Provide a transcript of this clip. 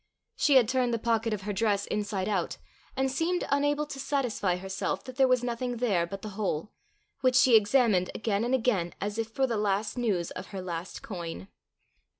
She had turned the pocket of her dress inside out, and seemed unable to satisfy herself that there was nothing there but the hole, which she examined again and again, as if for the last news of her last coin.